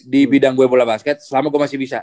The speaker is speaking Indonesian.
di bidang gue bola basket selama gue masih bisa